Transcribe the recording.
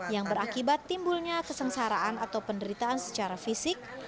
yang berakibat timbulnya kesengsaraan atau penderitaan secara fisik